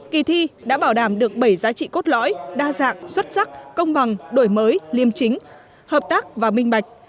kỳ thi đã bảo đảm được bảy giá trị cốt lõi đa dạng xuất sắc công bằng đổi mới liêm chính hợp tác và minh bạch